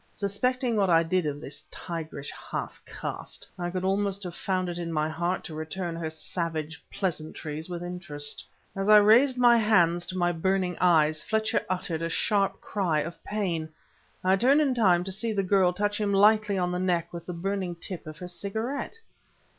Suspecting what I did of this tigerish half caste, I could almost have found it in my heart to return her savage pleasantries with interest. As I raised my hands to my burning eyes, Fletcher uttered a sharp cry of pain. I turned in time to see the girl touch him lightly on the neck with the burning tip of her cigarette.